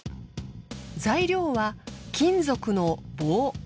材料は金属の棒。